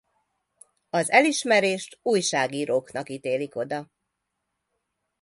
Az elismerést újságíróknak ítélik oda.